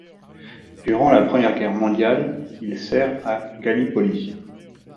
Durant la Première Guerre mondiale, il sert à Gallipoli.